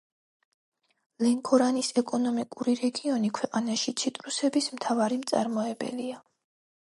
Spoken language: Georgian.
ლენქორანის ეკონომიკური რეგიონი ქვეყნაში ციტრუსების მთავარი მწარმოებელია.